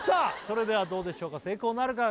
それではどうでしょうか成功なるか？